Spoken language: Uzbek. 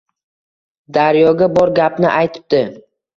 Daryoga bor gapni aytibdi